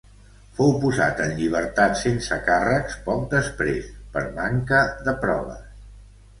Fou posat en llibertat sense càrrecs poc després per manca de proves.